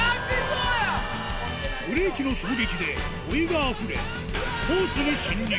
ブレーキの衝撃でお湯があふれあらららら。